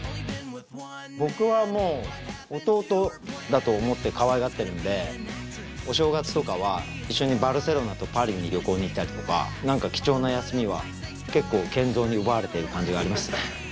僕はもう弟だと思ってかわいがってるんでお正月とかは一緒にバルセロナとパリに旅行に行ったりとか貴重な休みは結構ＫＥＮＺＯに奪われている感じがありますね。